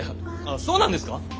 そうなんですか？